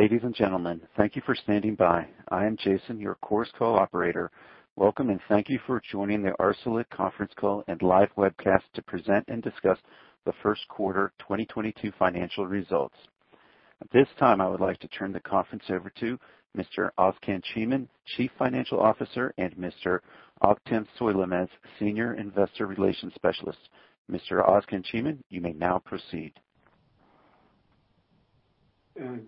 Ladies and gentlemen, thank you for standing by. I am Jason, your Chorus Call operator. Welcome, and thank you for joining the Arçelik conference call and live webcast to present and discuss the first quarter 2022 financial results. At this time, I would like to turn the conference over to Mr. Özkan Çimen, Chief Financial Officer, and Mr. Oktan Söylemeç, Senior Investor Relations Specialist. Mr. Özkan Çimen, you may now proceed.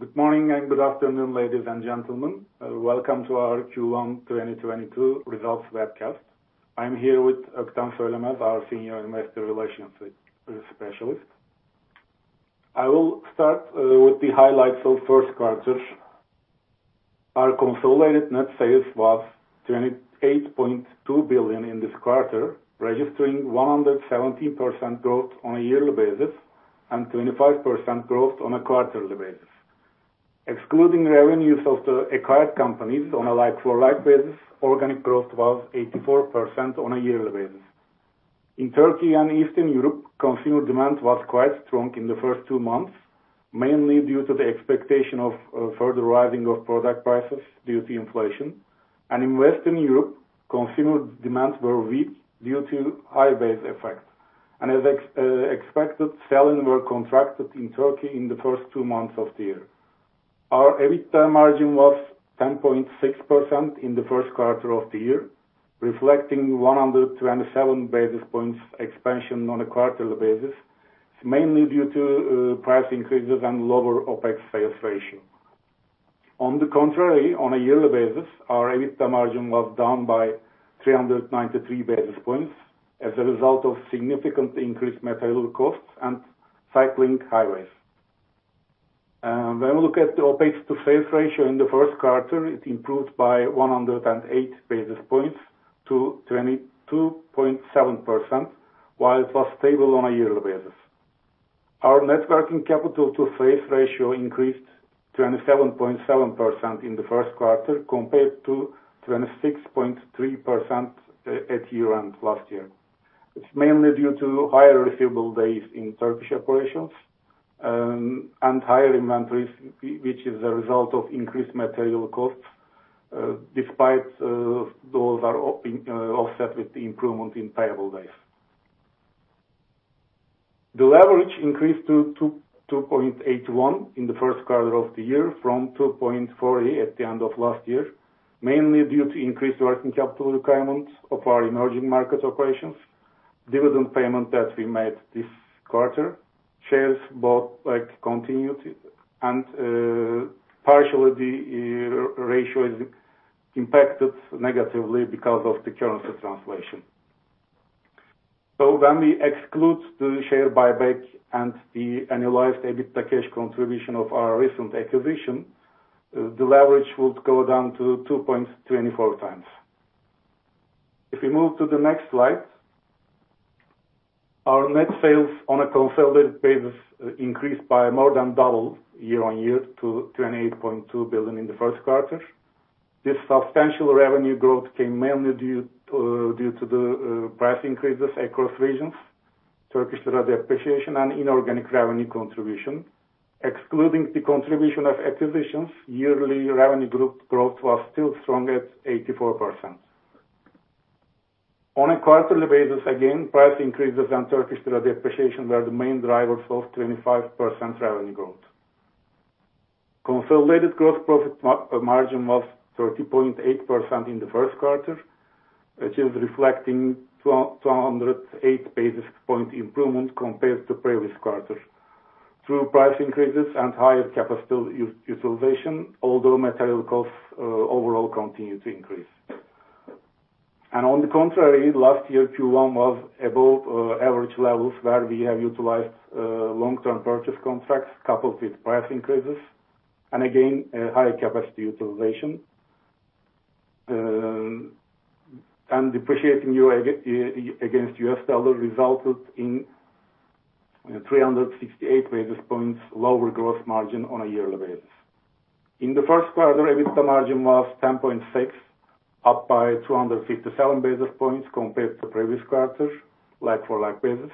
Good morning and good afternoon, ladies and gentlemen. Welcome to our Q1 2022 results webcast. I'm here with Oktan Söylemeç, our Senior Investor Relations Specialist. I will start with the highlights of first quarter. Our consolidated net sales was 28.2 billion in this quarter, registering 170% growth on a yearly basis, and 25% growth on a quarterly basis. Excluding revenues of the acquired companies on a like for like basis, organic growth was 84% on a yearly basis. In Turkey and Eastern Europe, consumer demand was quite strong in the first two months, mainly due to the expectation of further rising of product prices due to inflation. In Western Europe, consumer demands were weak due to high base effect. As expected, sales were contracted in Turkey in the first two months of the year. Our EBITDA margin was 10.6% in the first quarter of the year, reflecting 127 basis points expansion on a quarterly basis, mainly due to price increases and lower OpEx to sales ratio. On the contrary, on a yearly basis, our EBITDA margin was down by 393 basis points as a result of significantly increased material costs and cycling high base. When we look at the OpEx to sales ratio in the first quarter, it improved by 108 basis points to 22.7%, while it was stable on a yearly basis. Our net working capital to sales ratio increased to 27.7% in the first quarter, compared to 26.3% at year-end last year. It's mainly due to higher receivable days in Turkish operations, and higher inventories, which is a result of increased material costs, despite those are offset with the improvement in payable days. The leverage increased to 2.81 in the first quarter of the year from 2.48 at the end of last year, mainly due to increased working capital requirements of our emerging market operations, dividend payment that we made this quarter, shares both like continuity and partially the ratio is impacted negatively because of the currency translation. When we exclude the share buyback and the adjusted EBITDA cash contribution of our recent acquisition, the leverage would go down to 2.24x. If we move to the next slide, our net sales on a consolidated basis increased by more than double year-on-year to 28.2 billion in the first quarter. This substantial revenue growth came mainly due to the price increases across regions, Turkish lira depreciation, and inorganic revenue contribution. Excluding the contribution of acquisitions, yearly revenue growth was still strong at 84%. On a quarterly basis, again, price increases and Turkish lira depreciation were the main drivers of 25% revenue growth. Consolidated gross profit margin was 30.8% in the first quarter, which is reflecting 208 basis points improvement compared to previous quarter through price increases and higher capacity utilization, although material costs overall continued to increase. On the contrary, last year Q1 was above average levels where we have utilized long-term purchase contracts coupled with price increases, and again, a higher capacity utilization. Depreciating TL against U.S. dollar resulted in 368 basis points lower gross margin on a yearly basis. In the first quarter, EBITDA margin was 10.6%, up by 257 basis points compared to previous quarter like for like basis.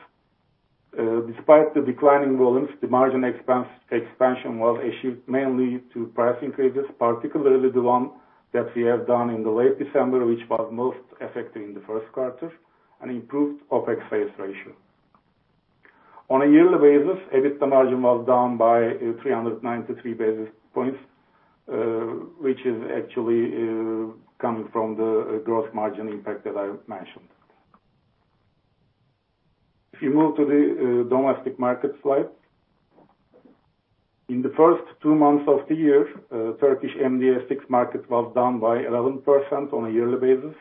Despite the declining volumes, the margin expansion was driven mainly by price increases, particularly the one that we have done in the late December, which was most effective in the first quarter, and improved OpEx sales ratio. On a yearly basis, EBITDA margin was down by 393 basis points, which is actually coming from the gross margin impact that I mentioned. If you move to the domestic market slide. In the first two months of the year, Turkish MDA6 market was down by 11% on a yearly basis,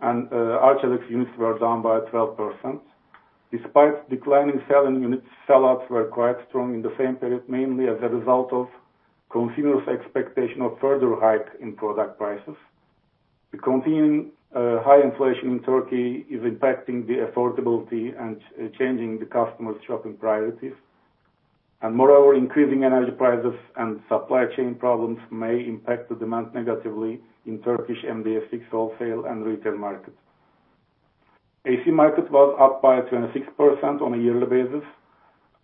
and Arçelik units were down by 12%. Despite declining selling units, sellouts were quite strong in the same period, mainly as a result of continuous expectation of further hike in product prices. The continuing high inflation in Turkey is impacting the affordability and changing the customers' shopping priorities. Moreover, increasing energy prices and supply chain problems may impact the demand negatively in Turkish MDA6 wholesale and retail markets. AC market was up by 26% on a yearly basis,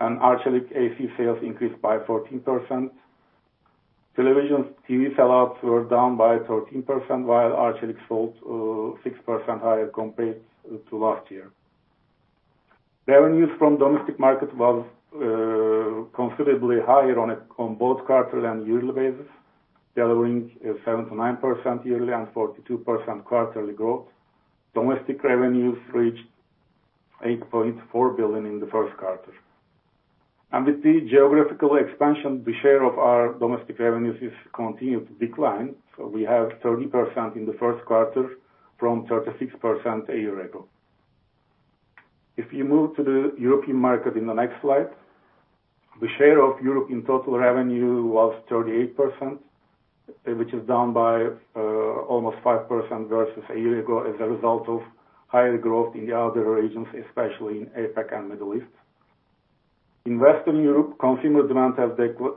and Arçelik AC sales increased by 14%. Television TV sell-outs were down by 13%, while Arçelik sold 6% higher compared to last year. Revenues from domestic market was considerably higher on both quarterly and yearly basis, delivering 7%-9% yearly and 42% quarterly growth. Domestic revenues reached 8.4 billion in the first quater. With the geographical expansion, the share of our domestic revenues is continued to decline. We have 30% in the first quarter from 36% a year ago. If you move to the European market in the next slide, the share of European total revenue was 38%, which is down by almost 5% versus a year ago as a result of higher growth in the other regions, especially in APAC and Middle East. In Western Europe, consumer demand has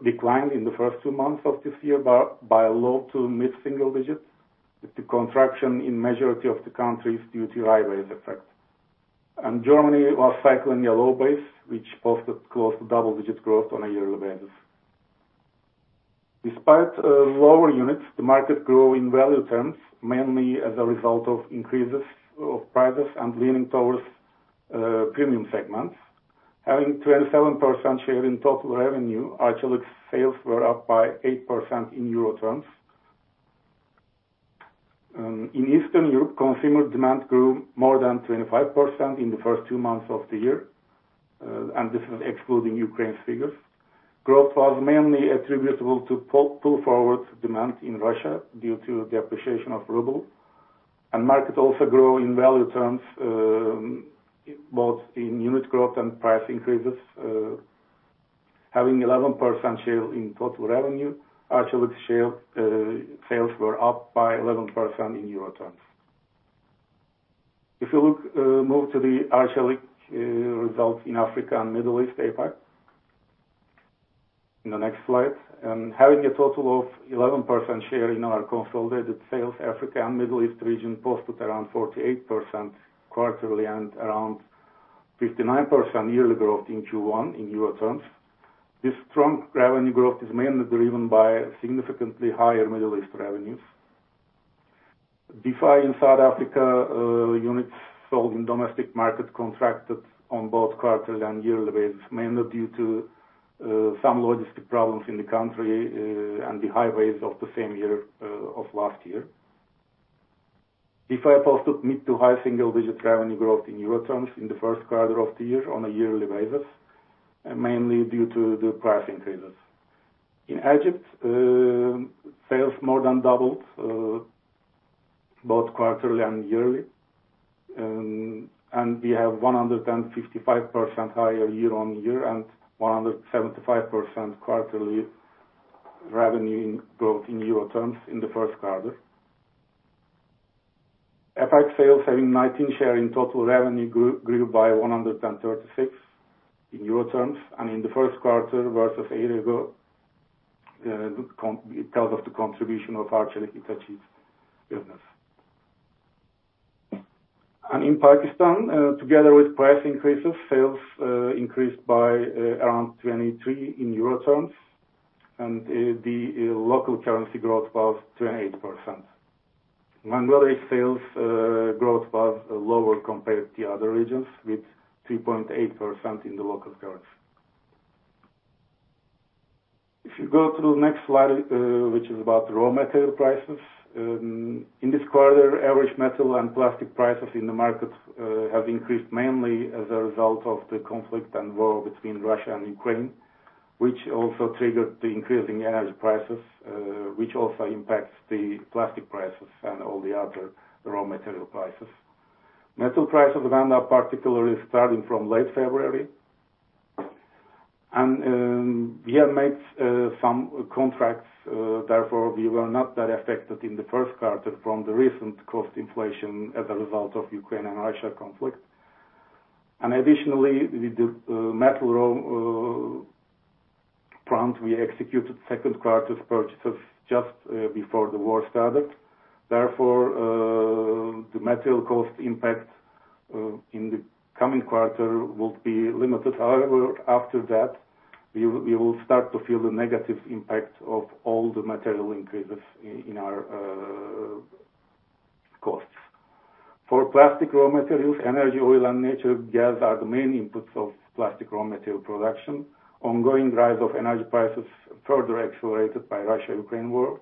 declined in the first two months of this year by a low- to mid-single digits, with the contraction in majority of the countries due to high base effect. Germany was cycling a low base, which posted close to double-digit growth on a yearly basis. Despite lower units, the market grew in value terms, mainly as a result of increases of prices and leaning towards premium segments. Having 27% share in total revenue, Arçelik's sales were up by 8% in Euro terms. In Eastern Europe, consumer demand grew more than 25% in the first two months of the year, and this is excluding Ukraine's figures. Growth was mainly attributable to pull forward demand in Russia due to the appreciation of ruble. Market also grew in value terms, both in unit growth and price increases, having 11% share in total revenue. Arçelik's share sales were up by 11% in Euro terms. If you look, move to the Arçelik results in Africa and Middle East, APAC. In the next slide. Having a total of 11% share in our consolidated sales, Africa and Middle East region posted around 48% quarterly and around 59% yearly growth in Q1 in Euro terms. This strong revenue growth is mainly driven by significantly higher Middle East revenues. Defy in South Africa, units sold in domestic market contracted on both quarterly and yearly basis, mainly due to some logistic problems in the country, and the high base of the same year of last year. Defy posted mid- to high-single-digit revenue growth in Euro terms in the first quarter of the year on a yearly basis, mainly due to the price increases. In Egypt, sales more than doubled, both quarterly and yearly. We have 155% higher year-on-year and 175% quarterly revenue growth in Euro terms in the first quarter. APAC sales having 19% share in total revenue grew by 136% in Euro terms in the first quarter versus a year ago, because of the contribution of Arçelik Hitachi's business. In Pakistan, together with price increases, sales increased by around 23% in Euro terms, and the local currency growth was 28%. Mongolia sales growth was lower compared to other regions, with 2.8% in the local currency. If you go to the next slide, which is about raw material prices. In this quarter, average metal and plastic prices in the market have increased mainly as a result of the conflict and war between Russia and Ukraine, which also triggered the increase in energy prices, which also impacts the plastic prices and all the other raw material prices. Metal prices went up particularly starting from late February. We have made some contracts, therefore we were not that affected in the first quarter from the recent cost inflation as a result of Ukraine and Russia conflict. Additionally, with the metal raw plan, we executed second quarter purchases just before the war started. Therefore, the material cost impact in the coming quarter will be limited. However, after that, we will start to feel the negative impact of all the material increases in our costs. For plastic raw materials, energy oil and natural gas are the main inputs of plastic raw material production. Ongoing rise of energy prices further accelerated by Russia-Ukraine war.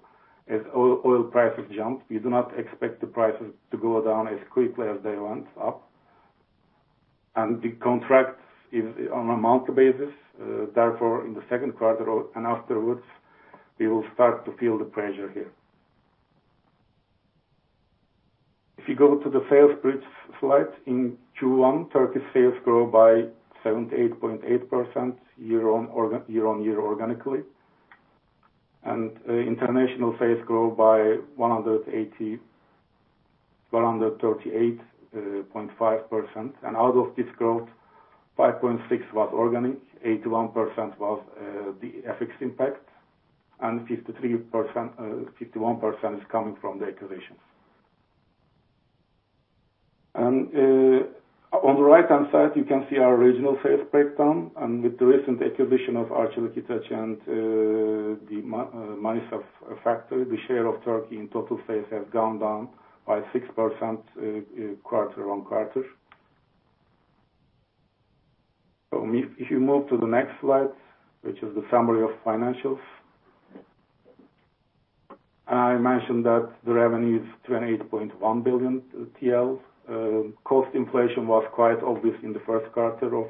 As oil prices jumped, we do not expect the prices to go down as quickly as they went up. The contract is on a monthly basis, therefore in the second quarter and afterwards we will start to feel the pressure here. If you go to the sales bridge slide, in Q1, Turkey sales grow by 78.8% year-on-year organically. International sales grow by 138.5%. Out of this growth, 5.6% was organic, 81% was the FX impact. 51% is coming from the acquisitions. On the right-hand side, you can see our regional sales breakdown. With the recent acquisition of Arçelik Hitachi and the Manisa factory, the share of Turkey in total sales have gone down by 6%, quarter-on-quarter. If you move to the next slide, which is the summary of financials. I mentioned that the revenue is 28.1 billion TL. Cost inflation was quite obvious in the first quarter of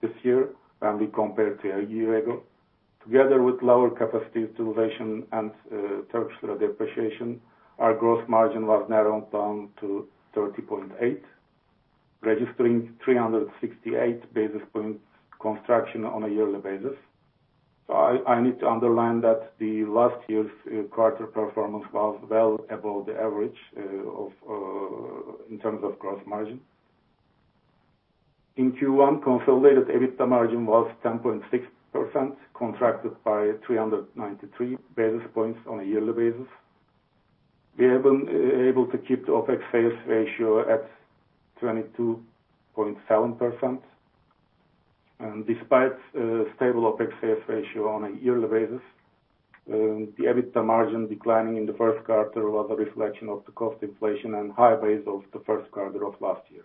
this year when we compare it to a year ago. Together with lower capacity utilization and Turkish lira depreciation, our gross margin was narrowed down to 30.8, registering 368 basis points contraction on a yearly basis. I need to underline that last year's quarter performance was well above the average in terms of gross margin. In Q1, consolidated EBITDA margin was 10.6%, contracted by 393 basis points on a yearly basis. We have been able to keep the OpEx sales ratio at 22.7%. Despite stable OpEx sales ratio on a yearly basis, the EBITDA margin declining in the first quarter was a reflection of the cost inflation and high base of the first quarter of last year.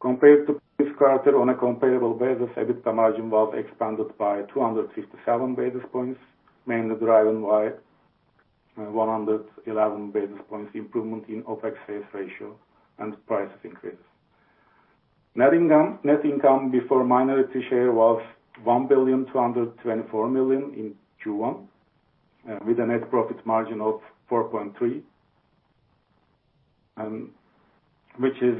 Compared to this quarter on a comparable basis, EBITDA margin was expanded by 257 basis points, mainly driven by 111 basis points improvement in OpEx sales ratio and price increase. Net income before minority share was 1.224 billion in Q1, with a net profit margin of 4.3%, which is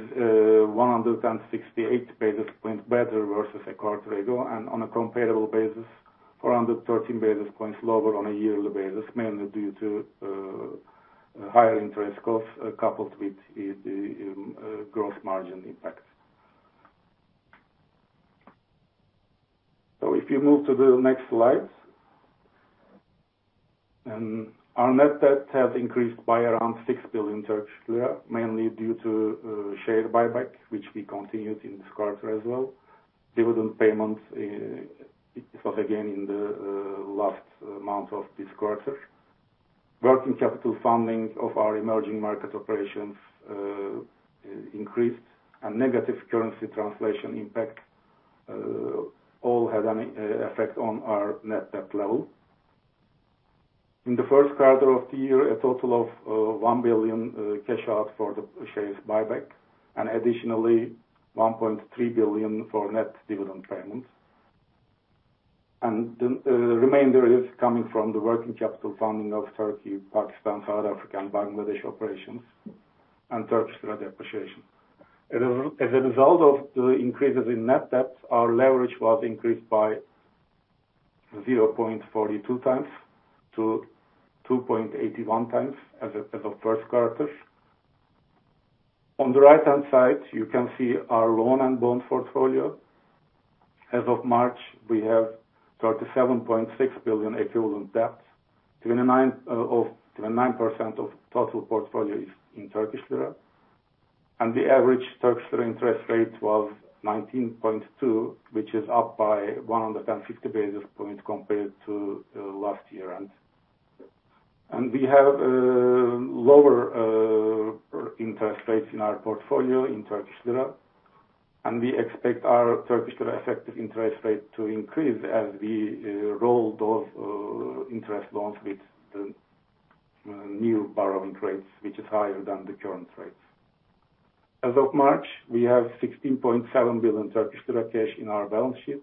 168 basis points better versus a quarter ago, and on a comparable basis, 413 basis points lower on a yearly basis, mainly due to higher interest costs coupled with the gross margin impact. If you move to the next slide. Our net debt has increased by around 6 billion Turkish lira, mainly due to share buyback, which we continued in this quarter as well. Dividend payments, it was again in the last month of this quarter. Working capital funding of our emerging market operations increased, and negative currency translation impact all had an effect on our net debt level. In the first quarter of the year, a total of 1 billion cash out for the shares buyback, and additionally, 1.3 billion for net dividend payments. The remainder is coming from the working capital funding of Turkey, Pakistan, South Africa, and Bangladesh operations, and Turkish lira depreciation. As a result of the increases in net debt, our leverage was increased by 0.42x-2.81x as of first quarter. On the right-hand side, you can see our loan and bond portfolio. As of March, we have 37.6 billion equivalent debt. 29% of total portfolio is in Turkish lira. The average Turkish lira interest rate was 19.2%, which is up by 150 basis points compared to last year end. We have lower interest rates in our portfolio in Turkish lira, and we expect our Turkish lira effective interest rate to increase as we roll those interest loans with the new borrowing rates, which is higher than the current rates. As of March, we have 16.7 billion Turkish lira cash in our balance sheet,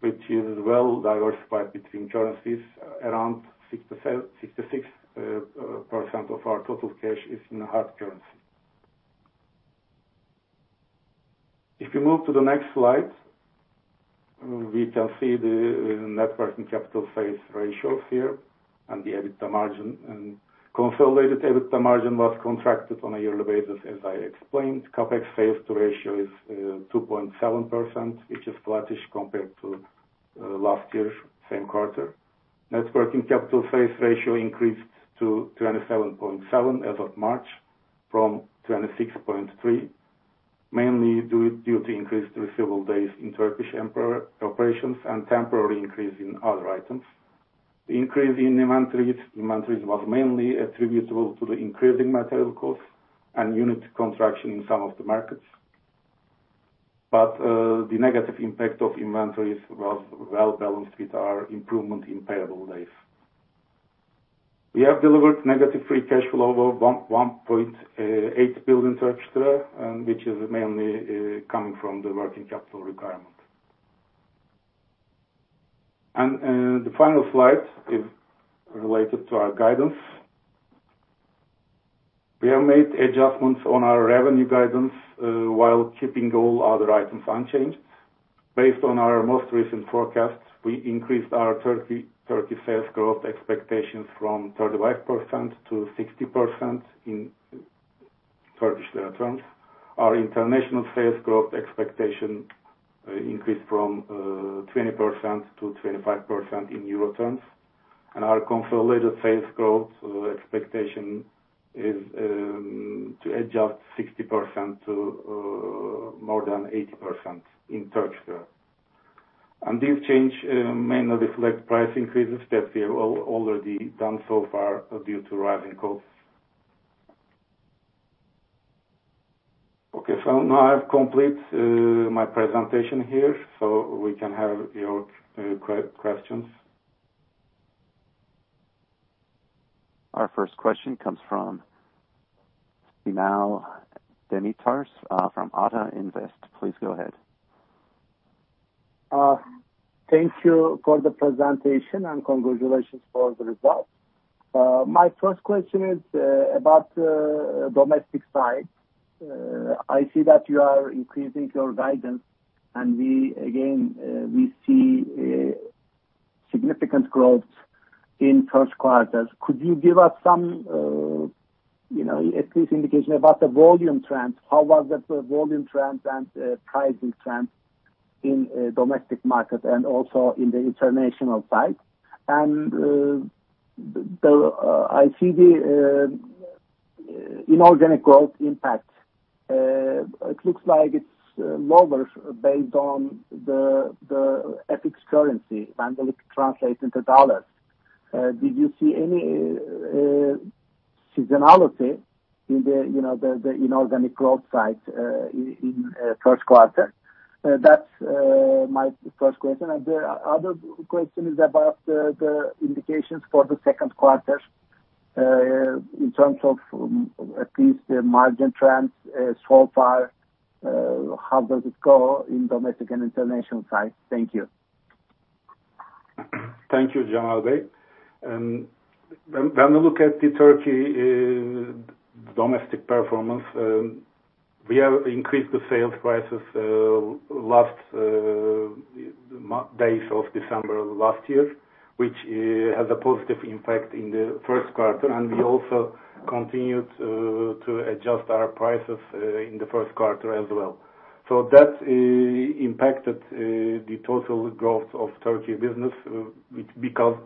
which is well diversified between currencies. Around 66% of our total cash is in hard currency. If you move to the next slide, we can see the net working capital sales ratios here and the EBITDA margin. Consolidated EBITDA margin was contracted on a yearly basis as I explained. CapEx sales ratio is 2.7%, which is flattish compared to last year's same quarter. Net working capital sales ratio increased to 27.7 as of March from 26.3, mainly due to increased receivable days in Turkish domestic operations and temporary increase in other items. The increase in inventories was mainly attributable to the increasing material costs and unit contraction in some of the markets. The negative impact of inventories was well balanced with our improvement in payable days. We have delivered negative free cash flow of 1.8 billion Turkish lira, which is mainly coming from the working capital requirement. The final slide is related to our guidance. We have made adjustments on our revenue guidance while keeping all other items unchanged. Based on our most recent forecasts, we increased our Turkey sales growth expectations from 35%-60% in Turkish lira terms. Our international sales growth expectation increased from 20%-25% in euro terms. Our consolidated sales growth expectation is adjusted from 60% to more than 80% in Turkish lira. This change mainly reflects price increases that we have already done so far due to rising costs. Okay. Now I've completed my presentation here, so we can have your questions. Our first question comes from Cemal Demirtaş, from Ata Invest. Please go ahead. Thank you for the presentation, and congratulations for the results. My first question is about domestic side. I see that you are increasing your guidance, and we see a significant growth in first quarters. Could you give us some, you know, at least indication about the volume trends? How was the volume trends and pricing trends in domestic market and also in the international side? I see the inorganic growth impact. It looks like it's lower based on the FX currency when we translate into dollars. Did you see any seasonality in the, you know, the inorganic growth side in first quarter? That's my first question. The other question is about the indications for the second quarter, in terms of at least the margin trends, so far, how does it go in domestic and international side? Thank you. Thank you, Cemal Bey. When we look at the Turkish domestic performance, we have increased the sales prices last few days of December last year, which has a positive impact in the first quarter. We also continued to adjust our prices in the first quarter as well. That impacted the total growth of Turkish business because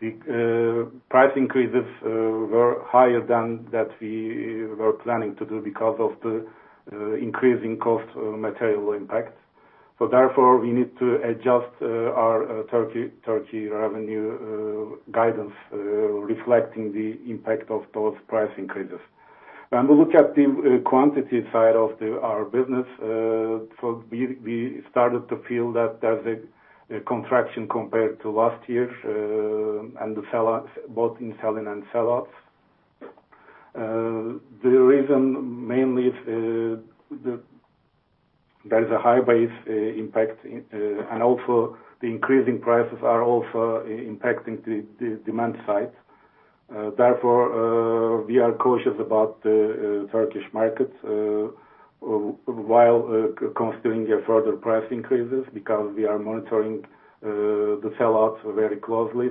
the price increases were higher than that we were planning to do because of the increasing material cost impact. Therefore, we need to adjust our Turkish revenue guidance reflecting the impact of those price increases. When we look at the quantity side of our business, we started to feel that there's a contraction compared to last year, and the sell-out both in sell-in and sell-out. The reason mainly is there is a high base impact, and also the increasing prices are also impacting the demand side. Therefore, we are cautious about the Turkish markets while considering further price increases because we are monitoring the selloff very closely.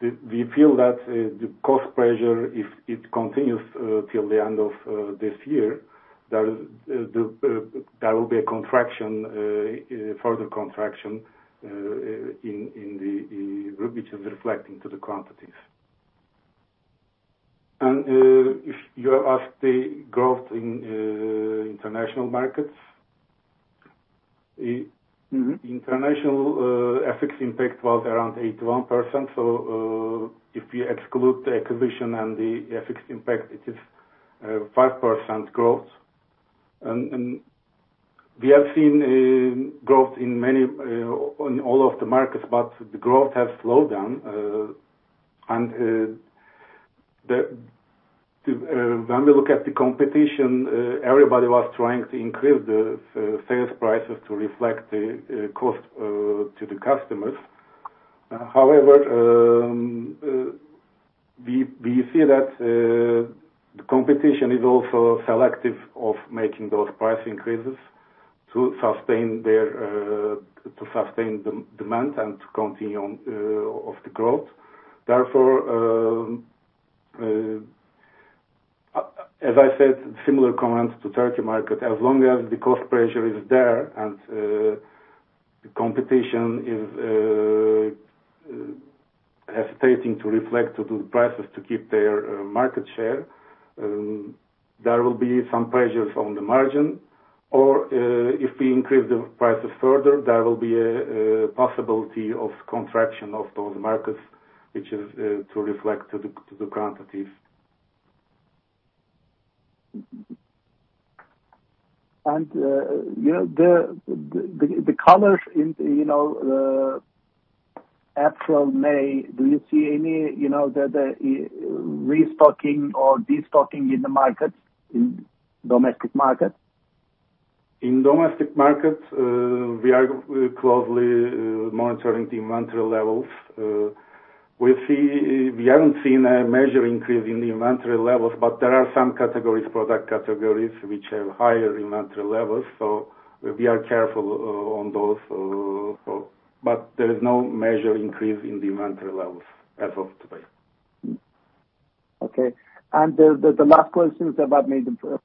We feel that the cost pressure, if it continues till the end of this year, there will be a further contraction in the quantities. If you ask the growth in international markets. International, FX impact was around 81%. If you exclude the acquisition and the FX impact, it is 5% growth. We have seen growth in all of the markets, but the growth has slowed down. When we look at the competition, everybody was trying to increase the sales prices to reflect the cost to the customers. However, we see that the competition is also selective of making those price increases to sustain their demand and to continue the growth. Therefore, as I said, similar comments to Turkey market, as long as the cost pressure is there and the competition is hesitating to reflect to the prices to keep their market share, there will be some pressures on the margin. If we increase the prices further, there will be a possibility of contraction of those markets which is to reflect to the quantities. You know, the colors in, you know, April, May, do you see any, you know, the restocking or destocking in the market, in domestic market? In domestic market, we are closely monitoring the inventory levels. We haven't seen a major increase in the inventory levels, but there are some categories, product categories which have higher inventory levels, so we are careful on those. There is no major increase in the inventory levels as of now. Okay. The last question is about nationals.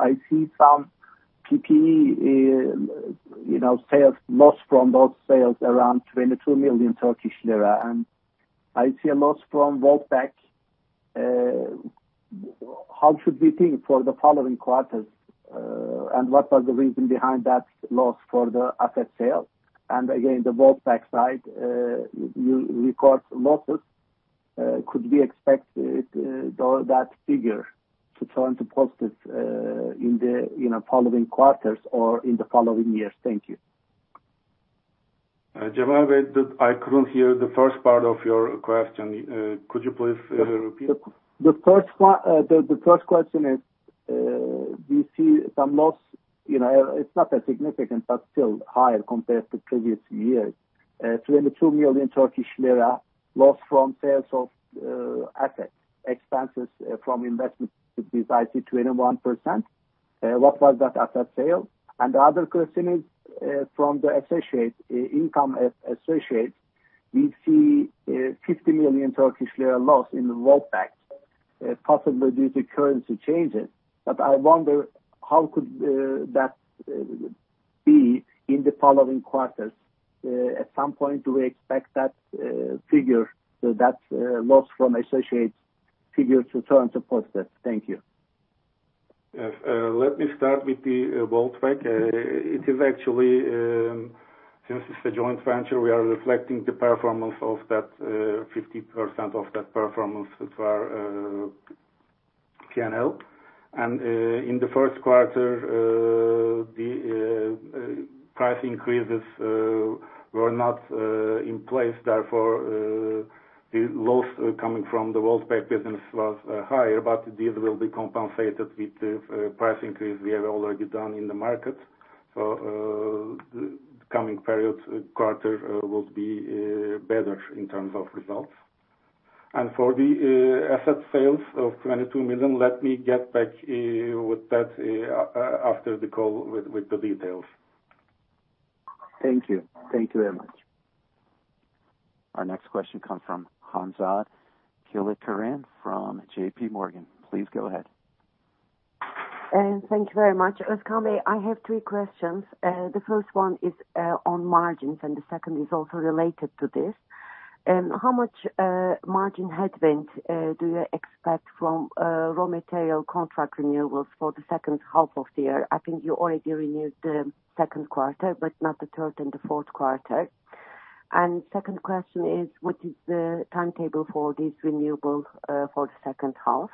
I see some PPE, you know, sales loss from those sales around 22 million Turkish lira. I see a loss from Voltas. How should we think for the following quarters? What are the reason behind that loss for the asset sale? Again, the Voltas side, you record losses. Could we expect though that figure to turn to positive in the, you know, following quarters or in the following years? Thank you. Cemal, wait. I couldn't hear the first part of your question. Could you please repeat? The first question is, we see some loss, you know, it's not that significant, but still higher compared to previous years. 22 million Turkish lira loss from sales of assets, expenses from investments 50%-21%. What was that asset sale? And the other question is, from associates, income from associates, we see 50 million Turkish lira loss in Voltas, possibly due to currency changes. But I wonder how that could be in the following quarters? At some point, do we expect that figure, the loss from associates figure, to turn positive? Thank you. Yes. Let me start with Voltas. It is actually since it's a joint venture, we are reflecting the performance of that 50% of that performance to our PNL. In the first quarter, the price increases were not in place, therefore the loss coming from the Voltas business was higher, but this will be compensated with the price increase we have already done in the market. Coming periods, quarter, will be better in terms of results. For the asset sales of 22 million, let me get back with that after the call with the details. Thank you. Thank you very much. Our next question comes from Hanzade Kilickiran from JPMorgan. Please go ahead. Thank you very much. Özkan Bey, I have three questions. The first one is on margins, and the second is also related to this. How much margin headwind do you expect from raw material contract renewals for the second half of the year? I think you already renewed the second quarter, but not the third and the fourth quarter. Second question is, what is the timetable for this renewal for the second half?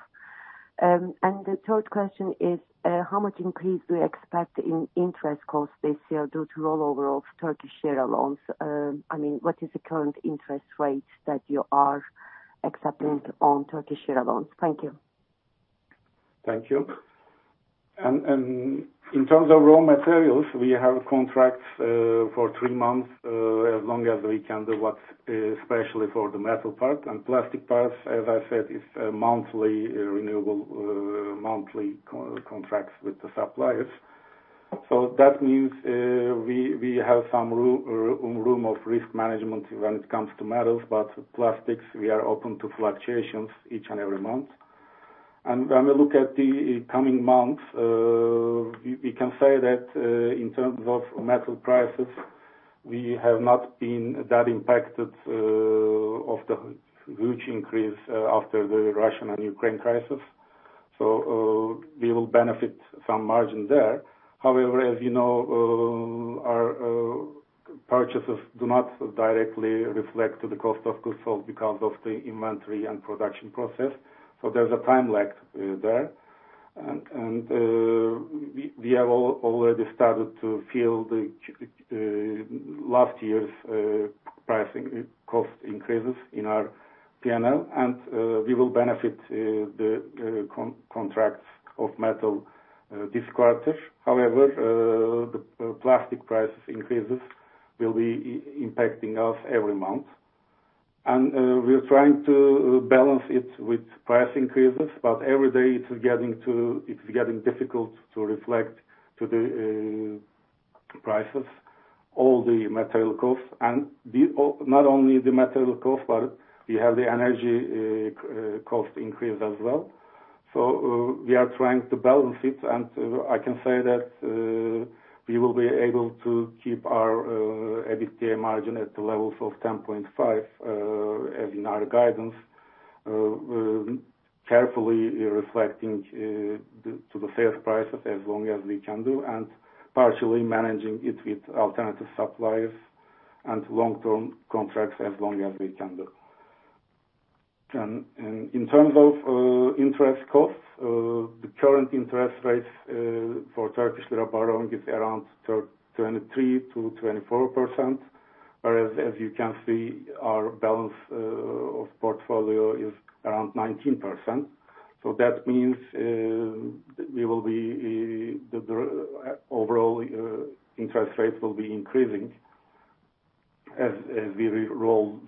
The third question is, how much increase do you expect in interest costs this year due to rollover of Turkish lira loans? I mean, what is the current interest rates that you are accepting on Turkish lira loans? Thank you. Thank you. In terms of raw materials, we have contracts for three months, especially for the metal part. Plastic parts, as I said, is a monthly renewable monthly contracts with the suppliers. That means we have some room for risk management when it comes to metals, but plastics, we are open to fluctuations each and every month. When we look at the coming months, we can say that in terms of metal prices, we have not been that impacted by the huge increase after the Russia and Ukraine crisis. We will benefit some margin there. However, as you know, our purchases do not directly reflect in the cost of goods sold because of the inventory and production process. There's a time lag there. We have already started to feel last year's pricing cost increases in our PNL, and we will benefit the contracts of metal this quarter. However, the plastic prices increases will be impacting us every month. We're trying to balance it with price increases, but every day it's getting difficult to reflect to the prices all the material costs. Not only the material cost, but we have the energy cost increase as well. We are trying to balance it, and I can say that we will be able to keep our EBITDA margin at the levels of 10.5% as in our guidance. Carefully reflecting to the sales prices as long as we can do, and partially managing it with alternative suppliers and long-term contracts as long as we can do. In terms of interest costs, the current interest rates for Turkish lira borrowing is around 23%-24%. Whereas as you can see, our balance of portfolio is around 19%. That means the overall interest rates will be increasing as we re-roll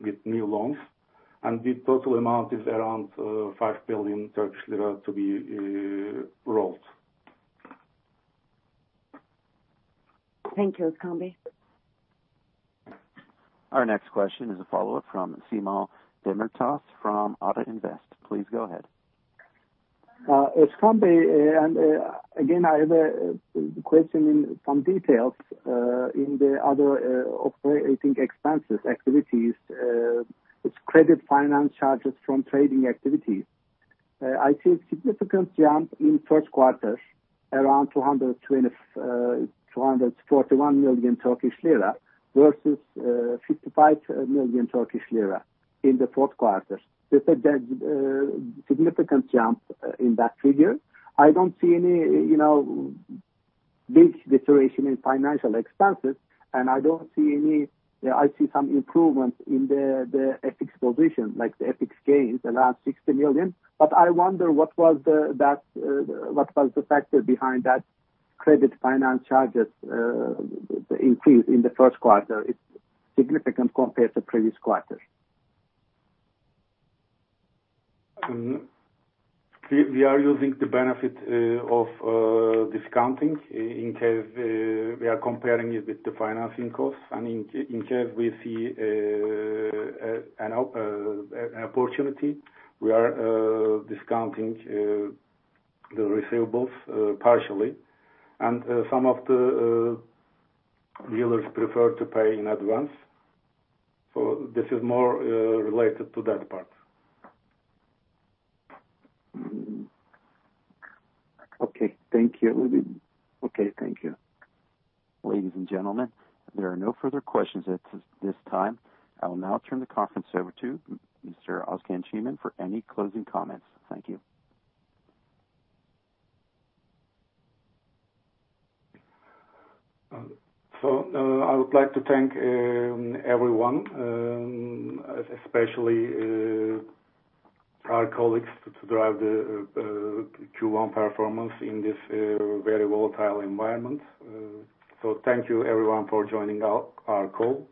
with new loans. The total amount is around 5 billion Turkish lira to be rolled. Thank you, Özkan Bey. Our next question is a follow-up from Cemal Demirtaş from Ata Invest. Please go ahead. Özkan Bey, again, I have a question in some details in the other operating expenses activities. It's credit finance charges from trading activities. I see a significant jump in first quarter around 241 million Turkish lira versus 55 million Turkish lira in the fourth quarter. That's a significant jump in that figure. I don't see any, you know, big deterioration in financial expenses, and I don't see any. I see some improvements in the FX position, like the FX gains, around 60 million. But I wonder, what was the factor behind that credit finance charges increase in the first quarter? It's significant compared to previous quarters. We are using the benefit of discounting in case we are comparing it with the financing costs. In case we see an opportunity, we are discounting the receivables partially. Some of the dealers prefer to pay in advance. This is more related to that part. Okay. Thank you. Okay, thank you. Ladies and gentlemen, there are no further questions at this time. I will now turn the conference over to Mr. Özkan Çimen for any closing comments. Thank you. I would like to thank everyone, especially our colleagues to drive the Q1 performance in this very volatile environment. Thank you everyone for joining our call.